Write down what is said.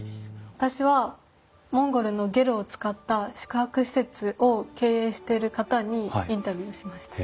私はモンゴルのゲルを使った宿泊施設を経営してる方にインタビューをしました。